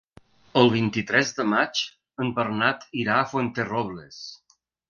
El vint-i-tres de maig en Bernat irà a Fuenterrobles.